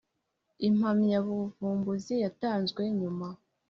impamyabuvumbuzi yatanzwe nyuma